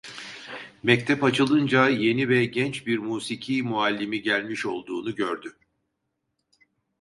Mektep açılınca yeni ve genç bir musiki muallimi gelmiş olduğunu gördü.